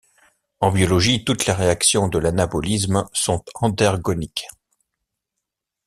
En biologie, toutes les réactions de l'anabolisme sont endergoniques.